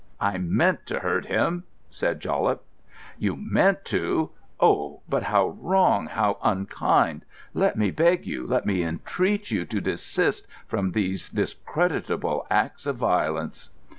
"I meant to hurt him," said Joblett. "You meant to! Oh, but how wrong! How unkind! Let me beg you—let me entreat you to desist from these discreditable acts of violence."